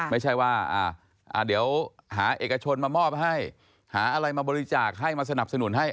ไม่ใช่ว่าเดี๋ยวหาเอกชนมามอบให้หาอะไรมาบริจาคให้มาสนับสนุนให้